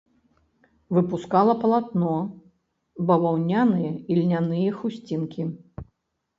Выпускала палатно, баваўняныя і льняныя хусцінкі.